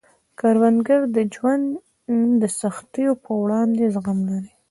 کروندګر د ژوند د سختیو په وړاندې زغم لري